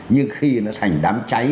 nhưng khi nó thành đám cháy